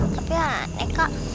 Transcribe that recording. tapi aneh kak